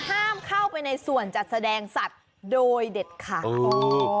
ห้ามเข้าไปในส่วนจัดแสดงสัตว์โดยเด็ดขาดโอ้